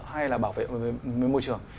hay là bảo vệ môi trường